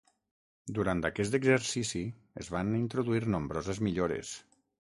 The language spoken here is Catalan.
Durant aquest exercici es van introduir nombroses millores.